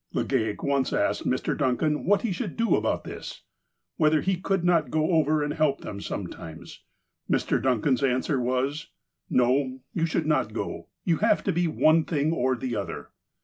Legale once asked Mr. Duncan what he should do about this. Whether he could not go over and help them sometimes. Mr. Duncan's answer was :" No. You should not go. You have to be one thing or the other."